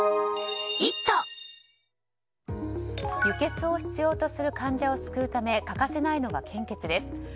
輸血を必要とする患者を救うため欠かせないのが献血です。